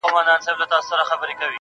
o چا ويل ډېره سوخي كوي.